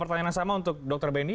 pertanyaan yang sama untuk dr beni